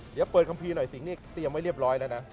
เดี๋ยวเปิดคัมภีร์หน่อยสิงหนี้เตรียมไว้เรียบร้อยแล้วนะ